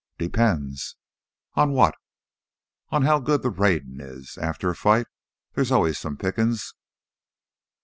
"Depends...." "On what?" "On how good th' raidin' is. After a fight thar's always some pickin's."